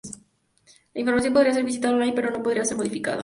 La información podía ser vista online, pero no podía ser modificada.